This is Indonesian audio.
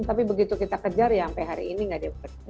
tapi begitu kita kejar ya sampai hari ini nggak di